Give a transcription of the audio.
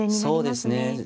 そうですね。